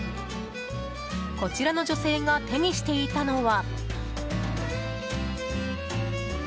こちらの女性が手にしていたのは。